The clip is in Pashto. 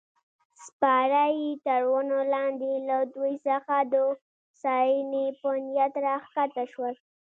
سپاره یې تر ونو لاندې له دوی څخه د هوساینې په نیت راکښته شول.